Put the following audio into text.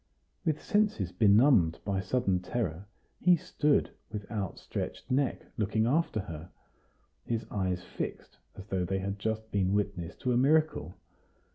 With senses benumbed by sudden terror, he stood, with outstretched neck, looking after her, his eyes fixed as though they had just been witness to a miracle.